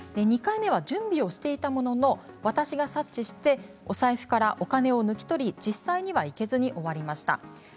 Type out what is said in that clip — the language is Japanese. ２回目は準備をしていたものの私が察知してお財布からお金を抜き取り実際には行けずに終わりました。